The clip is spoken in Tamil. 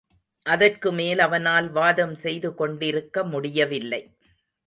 அதற்கு மேல் அவனால் வாதம் செய்து கொண்டிருக்க முடியவில்லை.